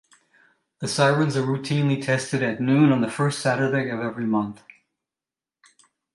The sirens are routinely tested at noon on the first Saturday of every month.